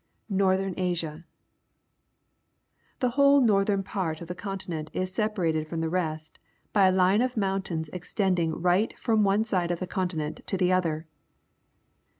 Northeni Asia.^^The whole northern part of the continent is separated from the rest by a line of mountains extending right from one side of the continent to the other.